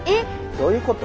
どういうこと？